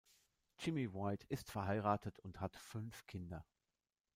Jimmy White ist verheiratet und hat fünf Kinder.